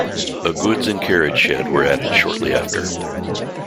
A goods and carriage shed were added shortly after.